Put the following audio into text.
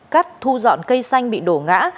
cắt thu dọn cây xanh bị đổ ngã